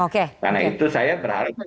karena itu saya berharap